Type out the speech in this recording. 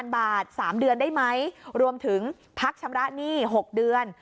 ๐บาท๓เดือนได้ไหมรวมถึงพักชำระหนี้๖เดือน